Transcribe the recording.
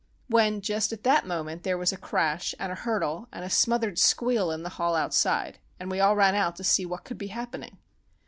When just at that moment there was a crash, and a hurtle, and a smothered squeal in the hall outside, and we all ran out to see what could be happening.